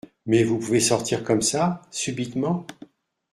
mais vous pouvez sortir comme ça, subitement ?